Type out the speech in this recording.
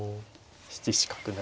７七角成。